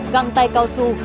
găng tay cao su